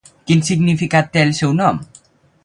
Quin significat té el seu nom?